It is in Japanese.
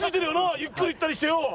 ゆっくり行ったりしてよ。